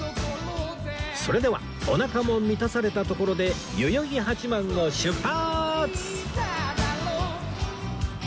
それではおなかも満たされたところで代々木八幡を出発！